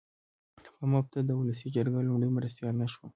په مفته د اولسي جرګې لومړی مرستیال نه شوم.